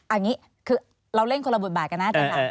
เอางี้คือเราเล่นคนละบทบาทกันนะอาจารย์หลัก